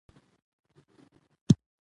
د ملخانو باران په ورېدو شو.